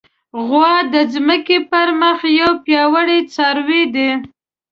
غوا د ځمکې پر مخ یو پیاوړی څاروی دی.